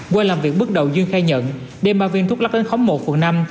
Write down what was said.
qua làm việc bước đầu dương khai nhận đem ba viên thuốc lắc đến khóng một phường năm